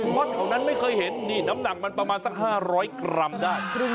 วัดเท่านั้นไม่เคยเห็นนี่น้ำหนังมันประมาณสักห้าร้อยกรัมได้